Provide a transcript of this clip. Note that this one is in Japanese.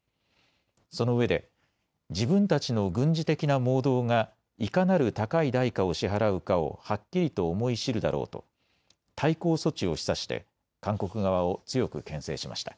そのうえで自分たちの軍事的な妄動がいかなる高い代価を支払うかをはっきりと思い知るだろうと対抗措置を示唆して韓国側を強くけん制しました。